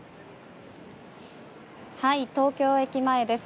東京駅前です。